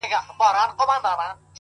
نو زنده گي څه كوي ـ